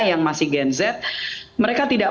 yang masih gen z mereka tidak